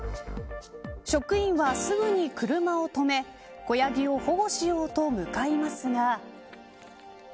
職員はすぐに車を止め子ヤギを保護しようと向かいますが。